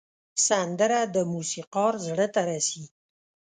سندره د موسیقار زړه ته رسي